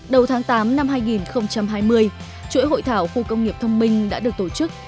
đầu tháng tám năm hai nghìn hai mươi chuỗi hội thảo khu công nghiệp thông minh đã được tổ chức